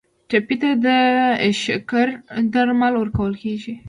ټپي ته د شکر درمل ورکول کیږي.